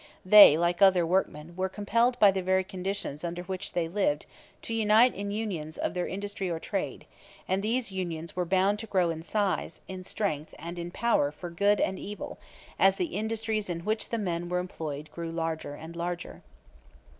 They, like other workmen, were compelled by the very conditions under which they lived to unite in unions of their industry or trade, and these unions were bound to grow in size, in strength, and in power for good and evil as the industries in which the men were employed grew larger and larger.